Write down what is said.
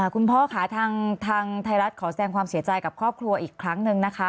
คุณพ่อค่ะทางไทยรัฐขอแสดงความเสียใจกับครอบครัวอีกครั้งหนึ่งนะคะ